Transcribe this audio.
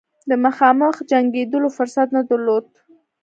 د مخامخ جنګېدلو فرصت نه درلود.